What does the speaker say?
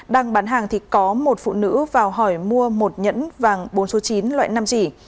đang bán hàng thì có một phụ nữ vào hỏi mua một nhẫn vàng bốn số chín loại năm chỉ